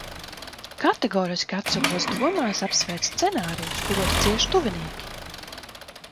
Kategoriski atsakos domās apsvērt scenārijus, kuros cieš tuvinieki.